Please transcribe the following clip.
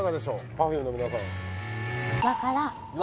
Ｐｅｒｆｕｍｅの皆さん分からん